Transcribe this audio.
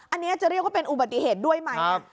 อันนี้จะเรียกว่าเป็นอุบัติเหตุด้วยไหม